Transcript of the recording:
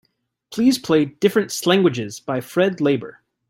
Please play Different Slanguages by Fred Labour.